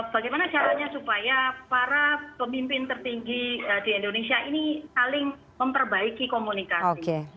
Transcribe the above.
bagaimana caranya supaya para pemimpin tertinggi di indonesia ini saling memperbaiki komunikasi